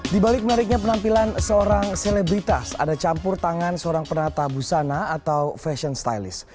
di balik menariknya penampilan seorang selebritas ada campur tangan seorang penata busana atau fashion stylist